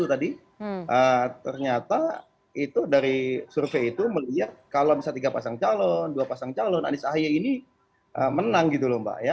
ternyata dari survei itu melihat kalau bisa tiga pasang calon dua pasang calon anies ahy ini menang gitu mbak